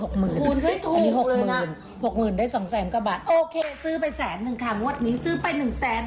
โอเคซื้อไปแสนหนึ่งค่ะงวดนี้ซื้อไปหนึ่งแสน